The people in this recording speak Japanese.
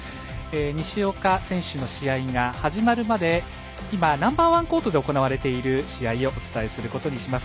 西岡選手の試合が始まるまで今、Ｎｏ．１コートで行われている試合をお伝えすることにします。